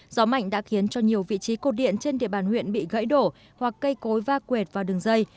gió mạnh đã khiến cho nhiều vị trí cột điện trên địa bàn huyện bị gãy đổ hoặc cây cối va quệt vào đường dây